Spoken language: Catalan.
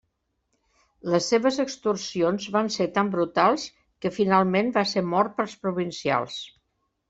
Les seves extorsions van ser tan brutals que finalment va ser mort pels provincials.